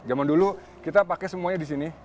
zaman dulu kita pakai semuanya di sini